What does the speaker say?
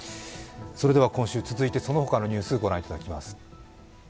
今週、続いて、そのほかのニュースご覧いただきます。